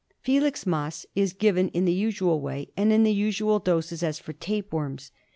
Filix mas is given in the usual way and in the usual doses as for tape worms.